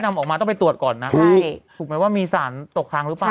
นำออกมาต้องไปตรวจก่อนนะใช่ถูกไหมว่ามีสารตกค้างหรือเปล่า